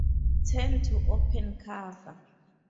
Turn to open cover.